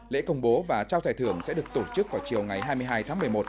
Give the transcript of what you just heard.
lễ công bố và trao giải thưởng sẽ được tổ chức vào chiều ngày hai mươi hai tháng một mươi một